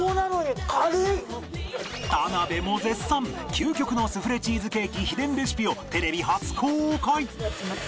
究極のスフレチーズケーキ秘伝レシピをテレビ初公開